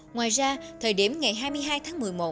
ngoài ra thời điểm ngày hai mươi hai tháng một mươi một